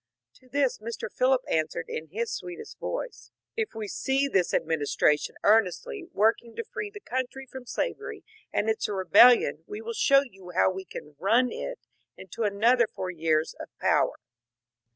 To this Mr. Phillips answered in his sweetest voice :^^ If we see this administration earnestly working to free the country from slavery and its rebellion, we will show you how we can * run ' it into another four years of power."